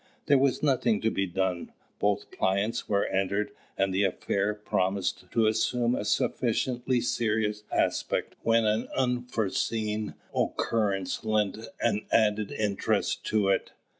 There was nothing to be done. Both plaints were entered; and the affair promised to assume a sufficiently serious aspect when an unforeseen occurrence lent an added interest to it.